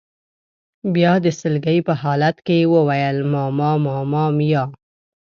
بیا د سلګۍ په حالت کې یې وویل: ماما ماما میا.